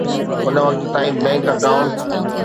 ان وقت تائين bank account